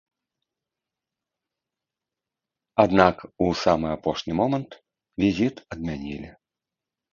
Аднак у самы апошні момант візіт адмянілі.